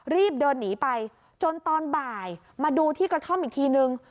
รีบเดินหนีไปจนตอนบ่ายมาดูที่กระท่อมอีกทีนึง